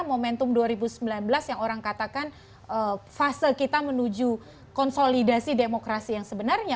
momentum dua ribu sembilan belas yang orang katakan fase kita menuju konsolidasi demokrasi yang sebenarnya